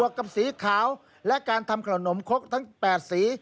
กับสีขาวและการทำขนมคกทั้ง๘สี